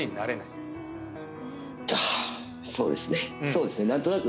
そうですね。